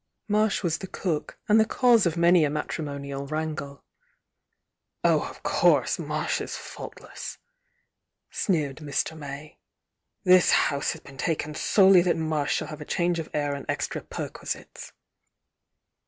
Marsh was the cook, and the cause of many a matrimonial wrangle. "Oh, of course, Marsh is faultless!" sneered Mr. May. "This house has been taken solely that Marsh shall have a change of air and extra perquisites!"